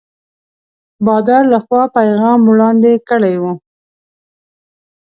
بادار له خوا پیغام وړاندي کړی وو.